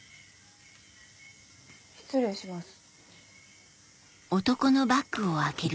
失礼します。